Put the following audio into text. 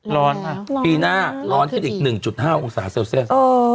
ร้อนร้อนขึ้นอีก๑๕อุตสาหกเซลเซล